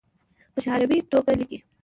په شعوري توګه لیکي